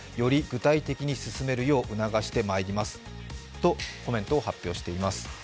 とコメントを発表しています。